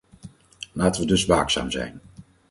Laten we dus waakzaam zijn.